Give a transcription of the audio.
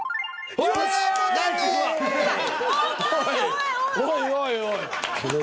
おいおい。